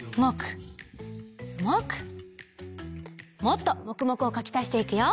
もっともくもくをかきたしていくよ！